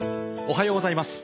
おはようございます。